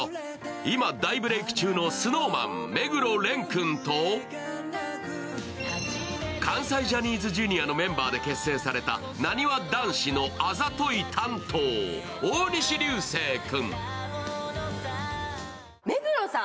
今、大ブレーク中のＳｎｏｗＭａｎ・目黒蓮君と関西ジャニーズＪｒ．のメンバーで結成されたなにわ男子のあざとい担当、大西流星君。